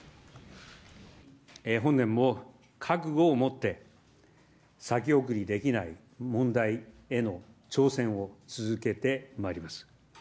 本年も覚悟を持って、先送りできない問題への挑戦を続けてまいります。